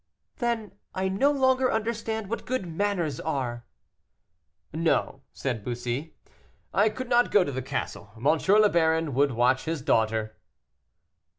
"Then I no longer understand what good manners are." "No," said Bussy, "I could not go to the castle; M. le Baron would watch his daughter."